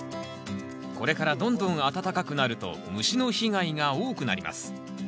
これからどんどん暖かくなると虫の被害が多くなります。